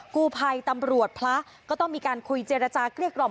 กู้ภัยตำรวจพระก็ต้องมีการคุยเจรจาเกลี้ยกล่อม